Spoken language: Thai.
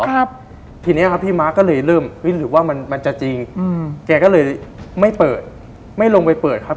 ครับทีนี้ครับพี่มาร์คก็เลยเริ่มหรือว่ามันจะจริงแกก็เลยไม่เปิดไม่ลงไปเปิดครับ